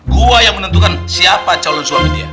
gua yang menentukan siapa calon suami dia